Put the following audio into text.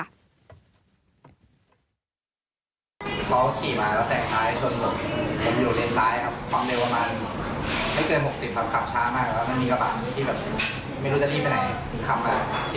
อาจจะลุ่มเรื่องคดีอยู่ในภูมิ